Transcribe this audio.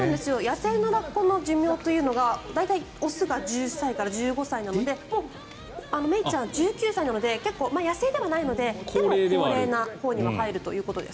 野生のラッコの寿命というのが大体、雄が１０歳から１５歳なのでメイちゃんは１９歳なので野生ではないので結構、高齢なほうに入るということです。